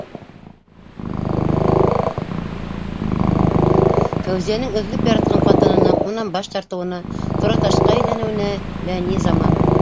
Фәүзиәнең, өҙөлөп яратҡан ҡатынының, унан баш тартыуына, тораташҡа әйләнеүенә лә ни заман...